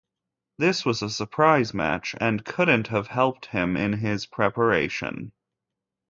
This was a surprise match, and couldn't have helped him in his preparation.